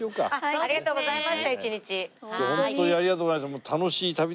ありがとうございます。